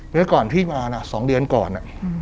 เมื่อก่อนพี่มา๒เดือนก่อน